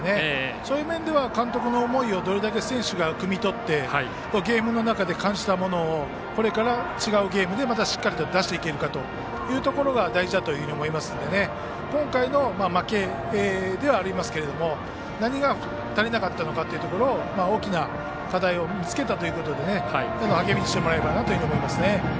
そういう面では監督の思いをどれだけ選手がくみ取ってゲームの中で感じたことを違うゲームでまたしっかりと出していけるかというところが大事だと思いますので今回は負けではありますけれども何が足りなかったのかというので大きな課題を見つけたということで励みにしてもらえればと思いますね。